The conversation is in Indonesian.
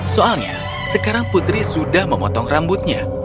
soalnya sekarang putri sudah memotong rambutnya